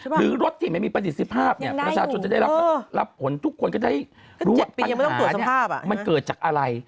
หรือรถที่ไม่มีปฏิเสธภาพประชาชนจะได้รับผลทุกคนก็จะรู้ว่าปัญหาเกิดจากอะไร